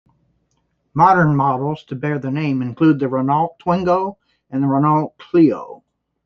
Modern models to bear the name include the Renault Twingo and the Renault Clio.